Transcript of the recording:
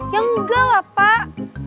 ya enggak lah pak